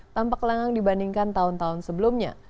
tampak lengang dibandingkan tahun tahun sebelumnya